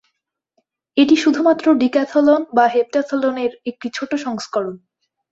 এটি শুধুমাত্র ডিক্যাথলন বা হেপটাথলন এর একটি ছোট সংস্করণ।